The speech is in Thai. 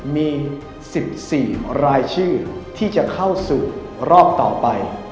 มี๑๔รายชื่อที่จะเข้าสู่รอบต่อไป